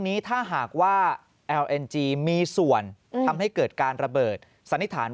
นี้ถ้าหากว่าแอลเอ็นจีมีส่วนทำให้เกิดการระเบิดสันนิษฐาน